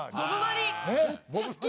むっちゃ好き。